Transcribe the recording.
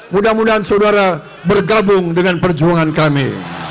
mudah mudahan saudara bergabung dengan perjuangan kami